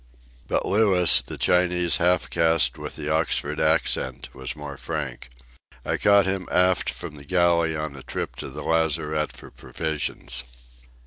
But Louis, the Chinese half caste with the Oxford accent, was more frank. I caught him aft from the galley on a trip to the lazarette for provisions.